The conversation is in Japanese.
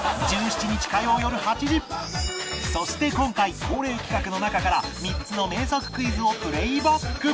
そして今回恒例企画の中から３つの名作クイズをプレイバック